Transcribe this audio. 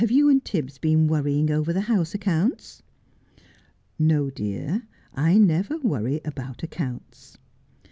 Have you and Tibbs been worrying over the house accounts ?'' No, dear, I never worry about accounts.'